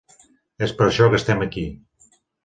És per això que estem aquí.